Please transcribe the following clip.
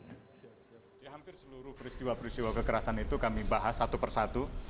ya hampir seluruh peristiwa peristiwa kekerasan itu kami bahas satu persatu